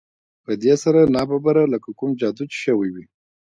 په دې سره ناببره لکه کوم جادو چې شوی وي